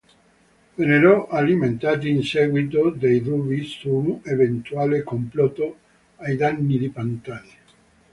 Vennero alimentati in seguito dei dubbi su un eventuale "complotto" ai danni di Pantani.